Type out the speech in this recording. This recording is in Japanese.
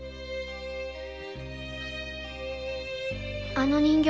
あの人形。